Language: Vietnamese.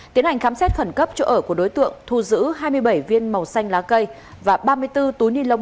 tiến hành khám xét khẩn cấp chỗ ở của đối tượng thu giữ hai mươi bảy viên màu xanh lá cây và ba mươi bốn túi ni lông